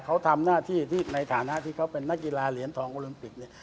เขาทำหน้าที่ที่ในฐานะที่เขาเป็นนักกีฬาเหรียญทองโอลิมปิกเนี่ย